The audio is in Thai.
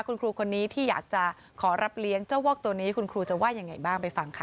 คุณครูคนนี้ที่อยากจะขอรับเลี้ยงเจ้าวอกตัวนี้คุณครูจะว่ายังไงบ้างไปฟังค่ะ